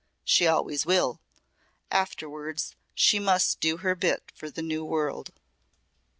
She always will. Afterwards she must do her bit for the New World."